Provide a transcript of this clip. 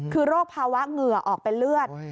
คือโรคภาวะเหงื่อออกเป็นเลือด